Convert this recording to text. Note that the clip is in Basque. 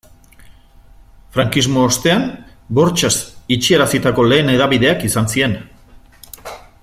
Frankismo ostean bortxaz itxiarazitako lehen hedabideak izan ziren.